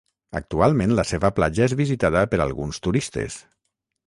Actualment, la seva platja és visitada per alguns turistes.